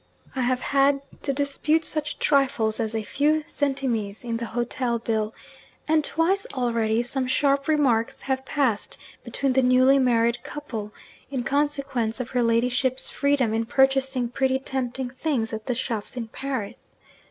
I have had to dispute such trifles as a few centimes in the hotel bill; and twice already, some sharp remarks have passed between the newly married couple, in consequence of her ladyship's freedom in purchasing pretty tempting things at the shops in Paris.